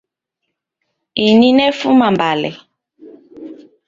Ini nefuma Mbale.